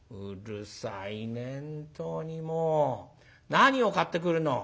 何を買ってくるの？」。